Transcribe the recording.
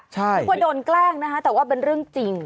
นึกว่าโดนแกล้งนะคะแต่ว่าเป็นเรื่องจริง